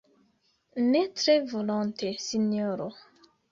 ne tre volonte, sinjoro.